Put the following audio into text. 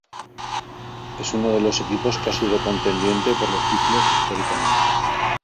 Es uno de los equipos que ha sido contendiente por los títulos históricamente.